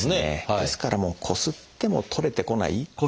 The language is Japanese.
ですからもうこすっても取れてこない。